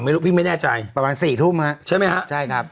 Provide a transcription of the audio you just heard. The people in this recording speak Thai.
พี่ไม่แน่ใจประมาณสี่ทุ่มฮะใช่ไหมฮะใช่ครับ